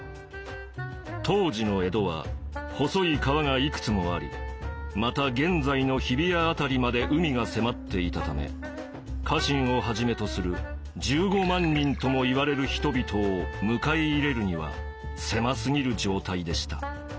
当時の江戸は細い川がいくつもありまた現在の日比谷辺りまで海が迫っていたため家臣をはじめとする１５万人ともいわれる人々を迎え入れるには狭すぎる状態でした。